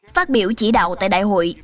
phát biểu chỉ đạo tại đại hội